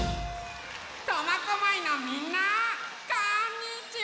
苫小牧のみんなこんにちは！